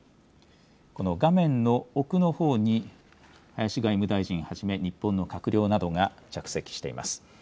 この画面の奥のほうに、林外務大臣はじめ日本の閣僚などが着席しています。